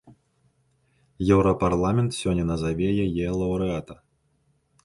Еўрапарламент сёння назаве яе лаўрэата.